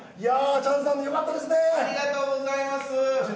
チャンさんもよかったですね。